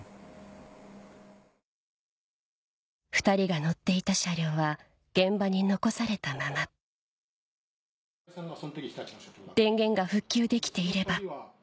２人が乗っていた車両は現場に残されたまま「電源が復旧できていれば」